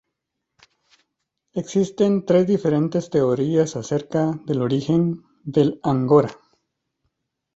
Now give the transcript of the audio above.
Existen tres diferentes teorías acerca del origen del Angora.